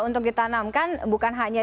untuk ditanamkan bukan hanya